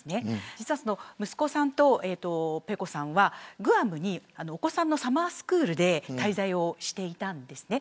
実は息子さんとｐｅｃｏさんはグアムにお子さんのサマースクールで滞在していたんです。